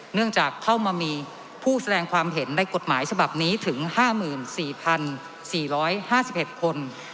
เนื่องจากเข้ามามีผู้แสดงความเห็นในกฎหมายฉบับนี้ถึง๕๔๔๕๑คน